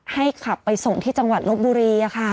ขับไปส่งที่จังหวัดลบบุรี